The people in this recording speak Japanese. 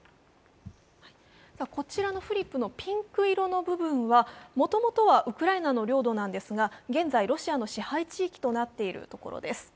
こちらのフリップのピンク色の部分は、もともとはウクライナの領土ですが現在、ロシアの支配地域となっているところです。